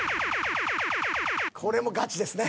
これもガチですね。